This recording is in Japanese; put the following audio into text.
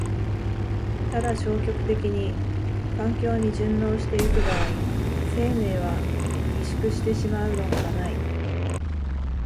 ただ消極的に環境に適応してゆく場合、生命は萎縮してしまうのほかない。